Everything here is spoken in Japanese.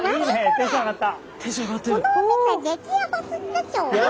テンション上がった！